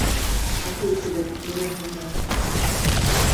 Ғәфү итегеҙ, минән булмай